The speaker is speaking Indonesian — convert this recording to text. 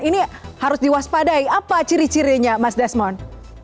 ini harus diwaspadai apa ciri cirinya mas desmond